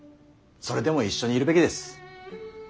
それでも一緒にいるべきです。